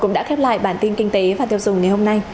chúng tôi đã khép lại bản tin kinh tế và tiêu dùng ngày hôm nay